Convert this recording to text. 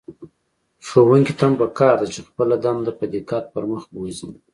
ښوونکي ته هم په کار ده چې خپله دنده په دقت پر مخ بوځي.